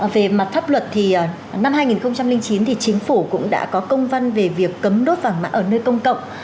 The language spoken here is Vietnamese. về mặt pháp luật thì năm hai nghìn chín thì chính phủ cũng đã có công văn về việc cấm đốt vàng mã ở nơi công cộng